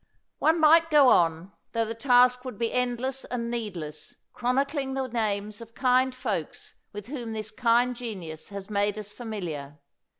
One might go on, tho the task would be end less and needless, chronicling the names of kind folks with whom this kind genius has made us familiar.